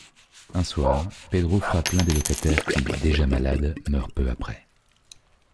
Un soir, Pedro frappe l'un des locataires, qui, déjà malade, meurt peu après.